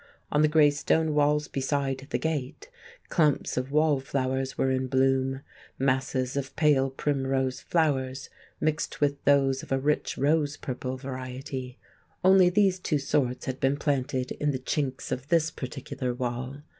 On the grey stone walls beside the gate clumps of wallflowers were in bloom—masses of pale primrose flowers mixed with those of a rich rose purple variety; only these two sorts had been planted in the chinks of this particular wall.